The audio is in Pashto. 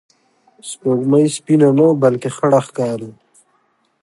سپوږمۍ سپینه نه، بلکې خړه ښکاري